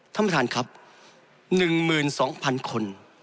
ท่านประธานครับ๑๒๐๐๐คน